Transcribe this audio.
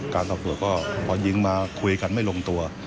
การสอบตัวก็พอยิงมาคุยกันไม่ลงตัว